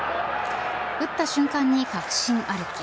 打った瞬間に確信歩き。